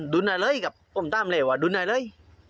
ดูนัยเลยพรุ่งตามเลยดูนัยเลย